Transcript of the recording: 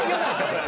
それ。